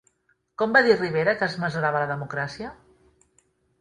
Com va dir Rivera que es mesurava la democràcia?